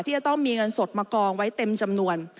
จะต้องมีเงินสดมากองไว้เต็มจำนวน